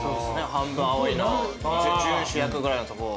『半分、青い。』の準主役ぐらいのとこを。